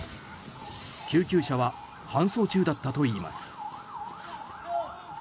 救急車は搬送中だったといいます。